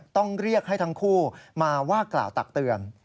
ต้องเรียกให้ทั้งคู่มาว่ากล่าวตักเตือน